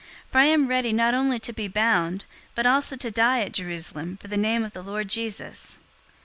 For I am ready not only to be bound, but also to die at Jerusalem for the name of the Lord Jesus."